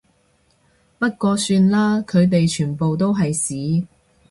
不過算啦，佢哋全部都係屎